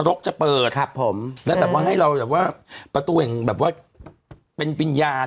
และแบบว่าให้เราประตูแห่งแบบว่าเป็นปริญญาณ